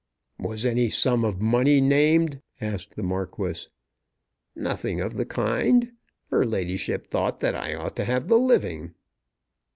"Was any sum of money named?" asked the Marquis. "Nothing of the kind. Her ladyship thought that I ought to have the living."